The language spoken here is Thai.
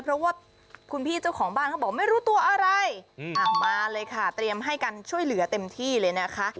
เพราะว่าคุณพี่เจ้าของบ้านเขาบอกไม่รู้ตัวอะไรมาเลยค่ะเตรียมให้กันช่วยเหลือเต็มที่เลยนะคะ